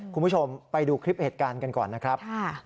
คุณผู้ชมไปดูคลิปเหตุการณ์กันก่อนนะครับ